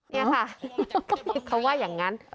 นี่ค่ะเขาว่าอย่างนั้น